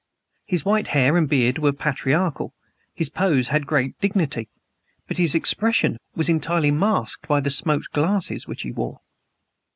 His white hair and beard were patriarchal; his pose had great dignity. But his expression was entirely masked by the smoked glasses which he wore.